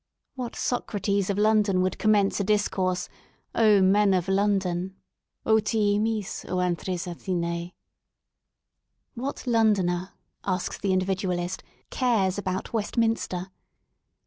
What Socrates of London would commence a discourse, '*Oh, men of London !"—ort yjuEij, <? avipi^ A^vaioi .•," What Londoner, asks the Individualist, cares about Westminster?